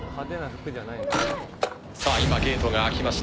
さあ、今ゲートが開きました。